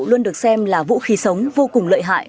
luôn được xem là vũ khí sống vô cùng lợi hại